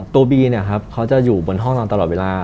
ตัวบีเขาจะอยู่บนห้องนอนตลอดเวลา